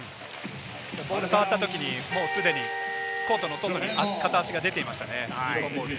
ボールを触ったときに、すでにコートの外に片足が出ていましたね。